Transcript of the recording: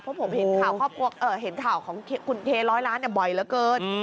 เพราะผมเห็นข่าวของคุณเทร้อยล้านบ่อยเหลือเกิน